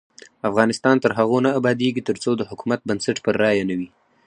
افغانستان تر هغو نه ابادیږي، ترڅو د حکومت بنسټ پر رایه نه وي.